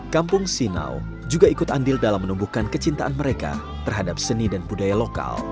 kampung sinaw juga ikut andil dalam menumbuhkan kecintaan mereka terhadap seni dan budaya lokal